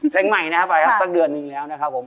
เพลงใหม่นะครับไปครับสักเดือนหนึ่งแล้วนะครับผม